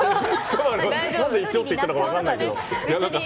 何で一応って言ったのか分からないけど。